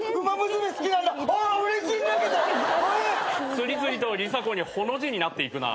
次々とリサコにほの字になっていくな。